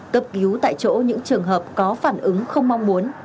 cấp cứu tại chỗ những trường hợp có phản ứng không mong muốn